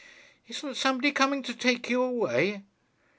'Isn't somebody coming to take you away?'